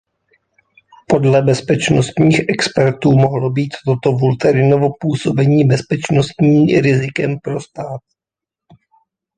Podle bezpečnostních expertů mohlo být toto Vulterinovo působení bezpečnostní rizikem pro stát.